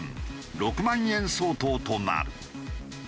６万円相当となる。